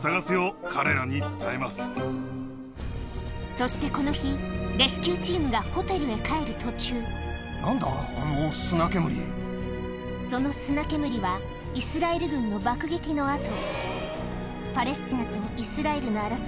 そしてこの日レスキューチームがホテルへ帰る途中その砂煙はイスラエル軍の爆撃の跡